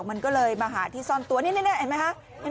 มันก็เลยมาหาที่ซ่อนตัวนี่เห็นไหมคะ